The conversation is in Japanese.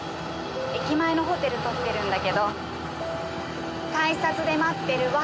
駅前のホテル取ってるんだけど改札で待ってるわ。